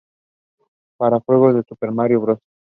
Para el juego New Super Mario Bros.